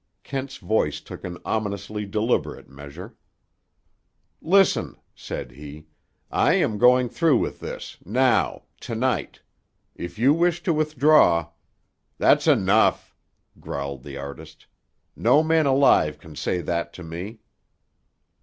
Kent's voice took an ominously deliberate measure. "Listen," said he; "I am going through with this—now—to night. If you wish to withdraw—" "That's enough," growled the artist. "No man alive can say that to me."